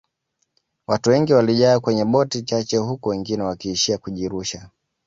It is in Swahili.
watu wengi walijaa kwenye boti chache huku wengine wakiishia kujirusha